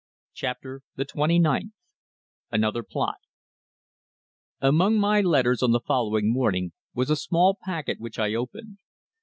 CHAPTER THE TWENTY NINTH ANOTHER PLOT Among my letters on the following morning was a small packet which I opened.